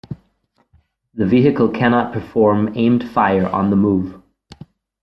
The vehicle cannot perform aimed fire on the move.